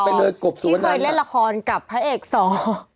ไม่เคยเล่นละครกับพระเอกสอง